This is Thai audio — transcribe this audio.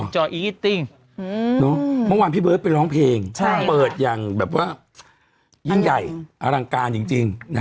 จออีกิตติ้งเมื่อวานพี่เบิร์ตไปร้องเพลงเปิดอย่างแบบว่ายิ่งใหญ่อลังการจริง